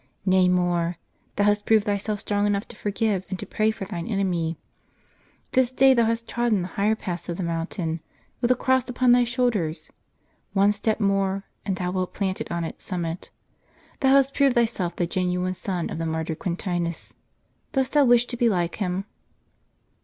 Nay more; thou hast proved thyself strong enough to forgive and to pray for thine enemy. This day thou hast trodden the higher paths of the mountain, with the cross upon thy shoulders ; one step more, and thou wilt plant it on its summit. Thou hast proved thyself the genuine son of the martyr Quintinus. Dost thou wish to be like him